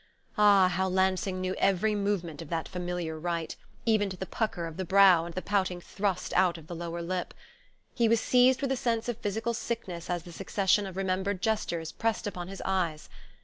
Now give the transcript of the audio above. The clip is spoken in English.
Ah, how Lansing knew every movement of that familiar rite, even to the pucker of the brow and the pouting thrust out of the lower lip! He was seized with a sense of physical sickness as the succession of remembered gestures pressed upon his eyes....